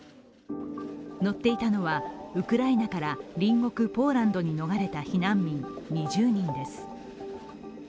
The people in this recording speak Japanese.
乗っていたのはウクライナから隣国ポーランドに逃れた避難民２０人です。